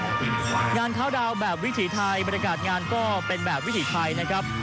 งานเข้าดาวน์แบบวิถีไทยบรรยากาศงานก็เป็นแบบวิถีไทยนะครับ